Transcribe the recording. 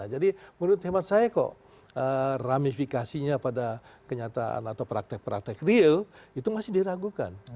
jadi menurut teman saya kok ramifikasinya pada kenyataan atau praktek praktek real itu masih diragukan